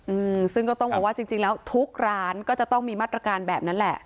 อืมซึ่งก็ต้องบอกว่าจริงจริงแล้วทุกร้านก็จะต้องมีมาตรการแบบนั้นแหละ